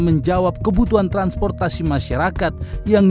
dengan repair urutan kosong jowos n assemble making